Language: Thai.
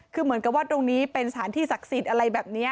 คือเหมือนกับว่าตรงนี้เป็นสถานที่ศักดิ์สิทธิ์อะไรแบบนี้